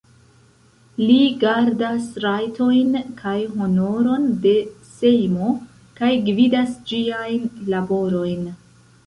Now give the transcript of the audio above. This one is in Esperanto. Li gardas rajtojn kaj honoron de Sejmo kaj gvidas ĝiajn laborojn.